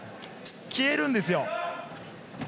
消えるんですよ。